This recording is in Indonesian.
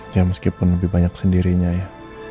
ya meskipun lebih banyak sendirinya ya